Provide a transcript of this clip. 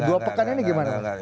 dua pekan ini gimana bang